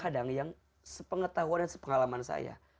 kadang yang sepengetahuan dan sepengalaman saya